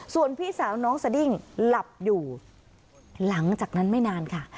ส่วนพี่สาวน้องสดิ้งหลับอยู่หลังจากนั้นไม่นานค่ะ